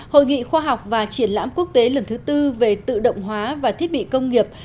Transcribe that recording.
hội nghị khoa học và triển lãm quốc tế lần thứ tư về tự động hóa và thiết bị công nghiệp